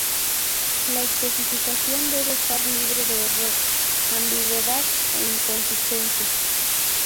La especificación debe estar libre de error, ambigüedad e inconsistencia.